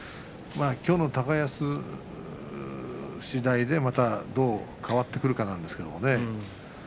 きょうの高安しだいでまたどう変わってくるかなんですけどね。